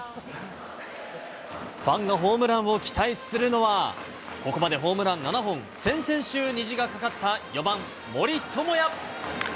ファンがホームランを期待するのは、ここまでホームラン７本、先々週虹がかかった４番・森友哉。